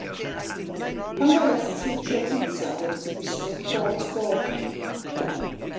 Pan weles i ti tro cynta' roeddet ti'n gwisgo cot goch.